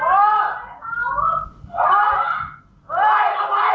เอาไป